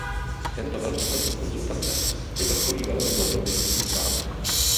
Tento velký proces konzultace vyvrcholí velmi plodnou diskusí s vámi.